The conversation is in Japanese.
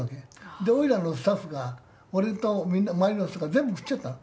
で、おいらのスタッフが俺と周りの人が全部食っちゃったの。